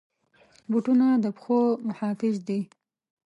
بوټونه د پښو محافظ دي.